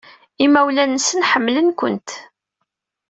Imawlan-nsen ḥemmlen-kent.